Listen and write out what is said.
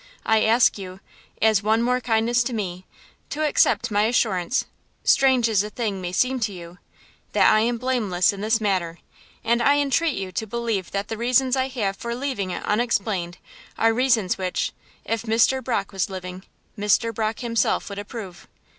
I ask you as one more kindness to me to accept my assurance (strange as the thing may seem to you) that I am blameless in this matter; and I entreat you to believe that the reasons I have for leaving it unexplained are reasons which, if Mr. Brock was living, Mr. Brock himself would approve."